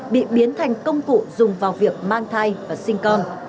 bị biến thành công cụ dùng vào việc mang thai và sinh con